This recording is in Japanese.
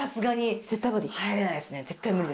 絶対無理？